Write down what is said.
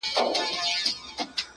• ه ستا د سترگو احترام نه دی، نو څه دی.